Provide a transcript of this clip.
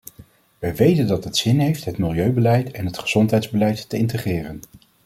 Wij weten dat het zin heeft het milieubeleid en het gezondheidsbeleid te integreren.